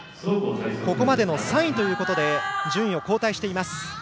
ここまでの３位ということで順位を後退しています。